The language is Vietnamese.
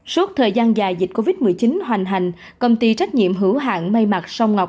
suốt thời gian dài dịch covid một mươi chín hoành hành công ty trách nhiệm hữu hạng mây mặt sông ngọc